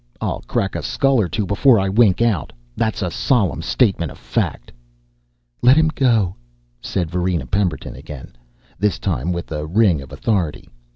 "I'll crack a skull or two before I wink out. That's a solemn statement of fact." "Let him go," said Varina Pemberton again, this time with a ring of authority.